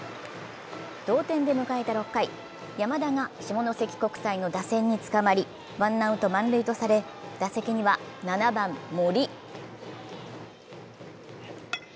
同点で迎えた６回、山田が下関国際の打線につかまり、ワンアウト満塁とされ、打席には７番・森。